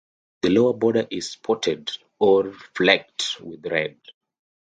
The lower border is spotted or flecked with red.